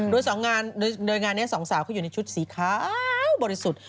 โดยงานนี้สองสาวเขาอยู่ในชุดสีขาวบริสุทธิ์